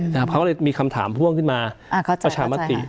เขาก็เลยมีคำถามพ่วงขึ้นมาประชามติ